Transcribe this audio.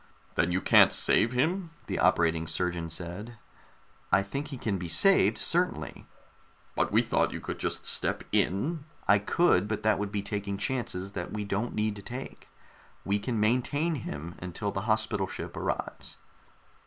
"Then you can't save him?" the operating surgeon said. "I think he can be saved, certainly!" "But we thought you could just step in " "I could, but that would be taking chances that we don't need to take. We can maintain him until the hospital ship arrives."